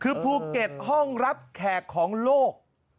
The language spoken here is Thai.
คือภูเก็ตห้องรับแขกของโลก